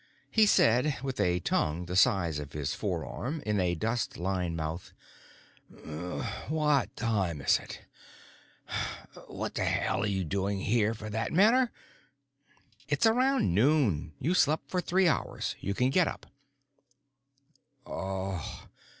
He said with a tongue the size of his forearm in a dust lined mouth: "Wha' time is it? Wha' the hell are you doing here, for that matter?" "It's around noon. You've slept for three hours; you can get up."